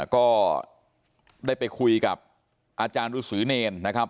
ก็ได้ไปคุยกับอาจารย์รุษือเนรนะครับ